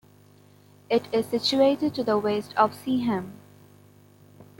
It is situated to the west of Seaham.